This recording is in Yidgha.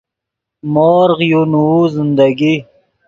مورغ یو نوؤ زندگی